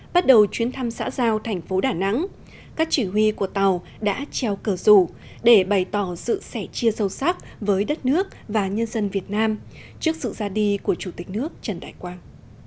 bắt đầu chuyến thăm xã giao thành phố đà nẵng các chỉ huy của tàu đã treo cờ rủ để bày tỏ sự sẻ chia sâu sắc với đất nước và nhân dân việt nam trước sự ra đi của chủ tịch nước trần đại quang